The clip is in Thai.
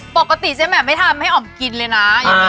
ปกติเจ๊แหม่ไม่ทำให้อ๋อมกินเลยนะ